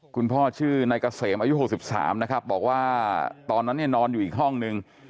คุณพ่อชื่อนายเกษมอายุหกสิบสามนะครับบอกว่าตอนนั้นนี่นอนอยู่อีกห้องหนึ่ง